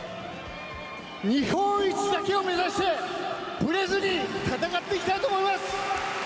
日本一だけを目指して、ぶれずに戦っていきたいと思います。